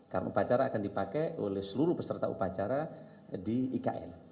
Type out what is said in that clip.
karena upacara akan dipakai oleh seluruh peserta upacara di ikn